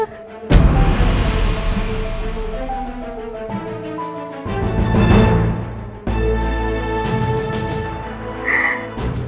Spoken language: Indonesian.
aku takut ma